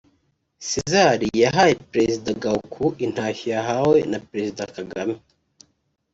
Cesar yahaye Perezida Gauk intashyo yahawe na Perezida Kgame